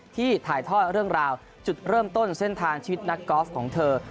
ถ่ายทอดเรื่องราวจุดเริ่มต้นเส้นทางชีวิตนักกอล์ฟของเธอ